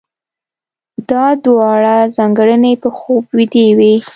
دا دواړه ځانګړنې په خوب ويدې وي.